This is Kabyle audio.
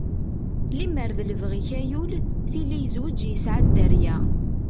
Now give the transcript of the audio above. Limer d libɣi-k ayul, tili yezweǧ yesɛa dderya.